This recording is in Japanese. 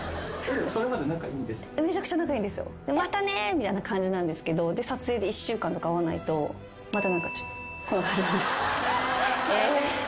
みたいな感じなんですけど撮影で１週間とか会わないとまた何かちょっとこんな感じなんです。